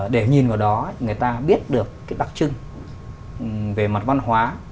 để nhìn vào đó người ta biết được cái đặc trưng về mặt văn hóa